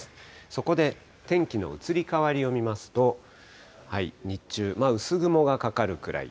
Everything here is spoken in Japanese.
そこで、天気の移り変わりを見ますと、日中、薄雲がかかるくらい。